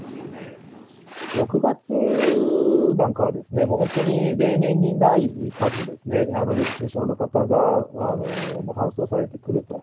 ６月なんかですね、もう本当に例年にない数ですね、熱中症の方が搬送されてくると。